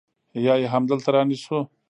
يا يې همدلته رانيسو.